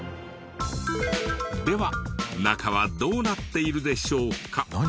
では中はどうなっているでしょうか？